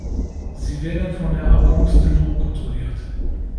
Sie werden von der Agence de l’eau kontrolliert.